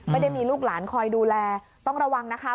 ไม่ได้มีลูกหลานคอยดูแลต้องระวังนะคะ